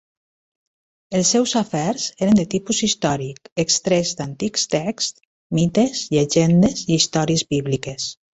Els seus afers eren de tipus històric, extrets d’antics texts, mites, llegendes i històries bíbliques.